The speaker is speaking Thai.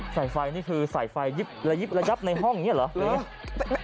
ใส่ไฟนี่คือใส่ไฟระยิบระยับในห้องอย่างนี้เหรอ